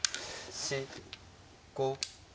４５。